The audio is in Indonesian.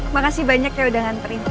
makasih banyak ya udah nganterin